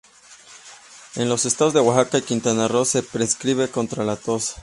En los estados de Oaxaca y Quintana Roo se prescribe contra la tos.